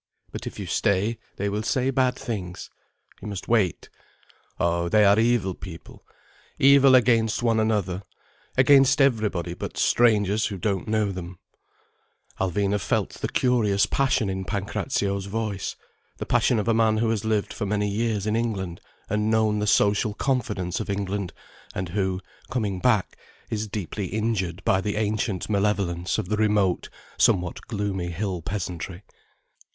But if you stay, they will say bad things. You must wait. Oh, they are evil people, evil against one another, against everybody but strangers who don't know them—" Alvina felt the curious passion in Pancrazio's voice, the passion of a man who has lived for many years in England and known the social confidence of England, and who, coming back, is deeply injured by the ancient malevolence of the remote, somewhat gloomy hill peasantry.